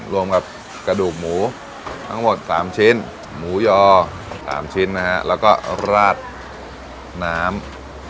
รวมกับกระดูกหมูทั้งหมด๓ชิ้นหมูยอ๓ชิ้นนะฮะแล้วก็ราดน้ำ